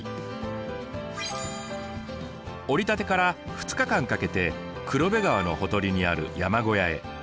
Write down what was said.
折立から２日間かけて黒部川のほとりにある山小屋へ。